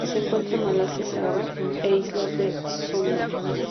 Se encuentra en Malasia, Sarawak, e Islas de la Sonda.